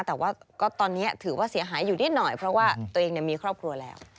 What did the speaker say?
แต่ว่าก็ตอนนี้ถือว่าเสียหายอยู่นิดหน่อยเพราะว่าตัวเองมีครอบครัวแล้ว